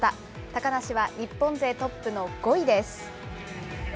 高梨は日本勢トップの５位です。